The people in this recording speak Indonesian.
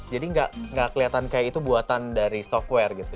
jadi nggak kelihatan kayak itu buatan dari software gitu